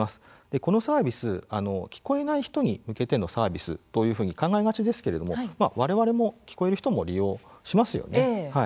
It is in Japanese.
このサービス、聞こえない人に向けてのサービスと考えがちですけれども、われわれ聞こえる人も利用します。